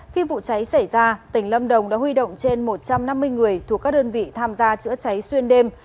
khi vụ cháy xảy ra tỉnh lâm đồng đã huy động trên một trăm năm mươi người thuộc các đơn vị tham gia chữa cháy xuyên đêm